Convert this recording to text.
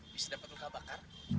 bisa dapat luka bakar